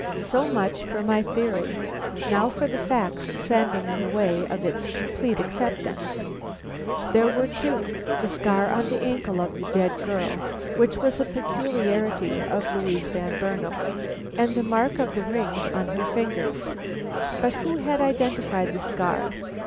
So much for my theory; now for the facts standing in the way of its complete acceptance. They were two: the scar on the ankle of the dead girl, which was a peculiarity of Louise Van Burnam, and the mark of the rings on her fingers. But who had identified the scar?